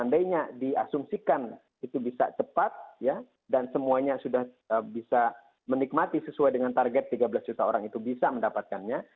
andainya diasumsikan itu bisa cepat dan semuanya sudah bisa menikmati sesuai dengan target tiga belas juta orang itu bisa mendapatkannya